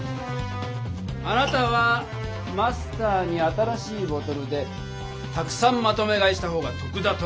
あなたはマスターに新しいボトルでたくさんまとめ買いした方がとくだと持ちかけた。